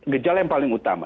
gejala yang paling utama